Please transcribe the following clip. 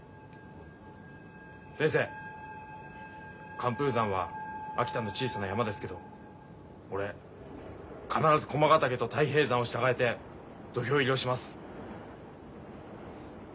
寒風山は秋田の小さな山ですけど俺必ず駒ヶ岳と太平山を従えて土俵入りをします。